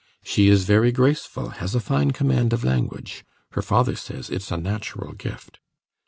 "She is very graceful, has a fine command of language; her father says it's a natural gift."